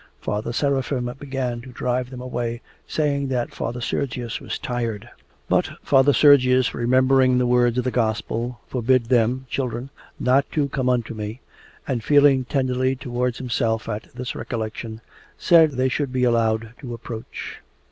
Father Seraphim began to drive them away, saying that Father Sergius was tired. But Father Sergius, remembering the words of the Gospel: 'Forbid them' (children) 'not to come unto me,' and feeling tenderly towards himself at this recollection, said they should be allowed to approach.